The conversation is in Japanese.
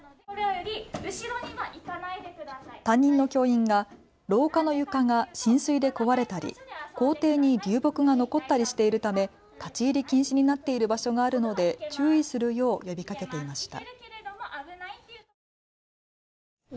担任の教員が廊下の床が浸水で壊れたり校庭に流木が残ったりしているため立ち入り禁止になっている場所があるので注意するよう呼びかけていました。